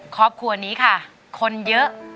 ครอบครัวนี้ค่ะคนเยอะ